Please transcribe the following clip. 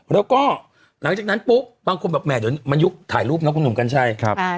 แล้วก็หลังจากนั้นปุ๊บบางคนแบบแห่เดี๋ยวมันยุคถ่ายรูปเนาะคุณหนุ่มกัญชัย